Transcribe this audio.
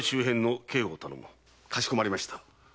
かしこまりました。